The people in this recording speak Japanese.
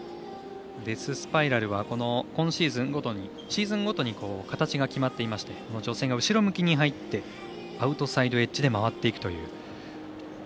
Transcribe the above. デススパイラルはシーズンごとに形が決まっていまして女性が後ろ向きに入ってアウトサイドエッジで回っていくという。